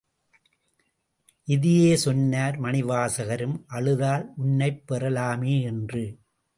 இதையே சொன்னார் மணிவாசகரும், அழுதால் உன்னைப் பெறலாமே என்று.